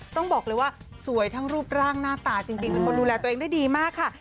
ต้องบอกเลยว่าสวยทั้งรูปร่างหน้าตาจริงเป็นคนดูแลตัวเองได้ดีมากค่ะ